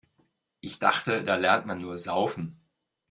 Ich dachte, da lernt man nur Saufen.